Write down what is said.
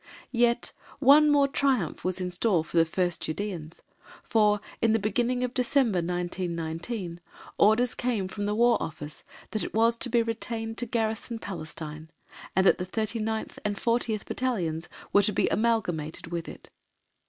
Yet one more triumph was in store for the 1st Judæans, for, in the beginning of December, 1919, orders came from the War Office that it was to be retained to garrison Palestine, and that the 39th and 40th Battalions were to be amalgamated with it.